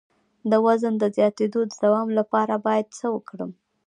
د وزن د زیاتیدو د دوام لپاره باید څه وکړم؟